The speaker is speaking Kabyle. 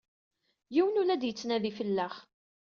Yiwen ur la d-yettnadi fell-aɣ.